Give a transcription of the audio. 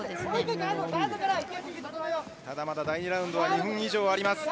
ただ、まだ第２ラウンドは２分以上あります。